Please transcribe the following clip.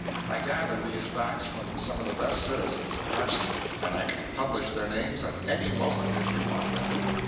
I gather these facts from some of the best citizens of Carson, and I can publish their names at any moment if you want them.